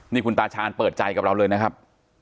นี่คุณตาชาญเปิดใจกับเราเลยนะครับ